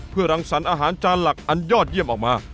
เพื่อรังสรรค์อาหารจานหลักอันยอดเยี่ยมออกมา